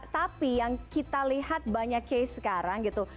tapi yang kita lihat banyak case sekarang gitu